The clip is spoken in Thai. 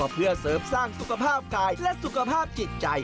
เพื่อเสริมสร้างสุขภาพกายและสุขภาพจิตใจ